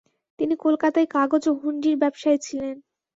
তিনি কলকাতায় কাগজ ও হুন্ডির ব্যবসায়ী ছিলেন।